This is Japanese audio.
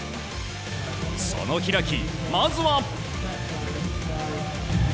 その開、まずは。